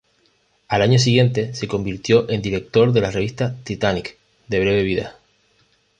Al año siguiente, se convirtió en director de la revista "Titanic", de breve vida.